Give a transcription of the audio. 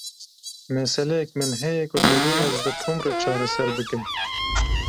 Meseleyek min heye ku divê ez bi Tom re çareser bikim.